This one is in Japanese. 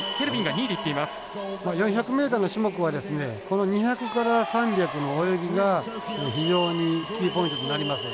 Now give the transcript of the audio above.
この２００から３００の泳ぎが非常にキーポイントとなります。